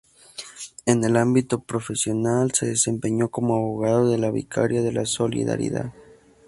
En el ámbito profesional, se desempeñó como abogado de la Vicaría de la Solidaridad.